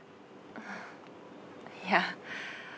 いや。